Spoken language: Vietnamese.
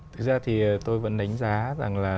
thực ra thì tôi vẫn đánh giá rằng là